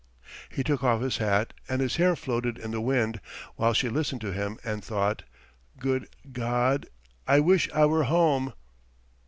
He took off his hat, and his hair floated in the wind, while she listened to him and thought: "Good God, I wish I were home!"